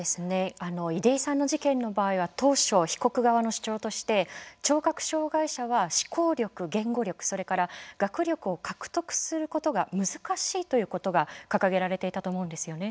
出井さんの事件の場合は当初、被告側の主張として聴覚障害者は思考力、言語力それから学力を獲得することが難しいということが掲げられていたと思うんですよね。